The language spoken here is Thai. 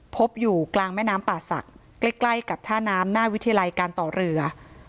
พบอยู่กลางแม่น้ำป่าศักดิ์ใกล้กับท่าน้ำหน้าวิทยาลัยการต่อเรือ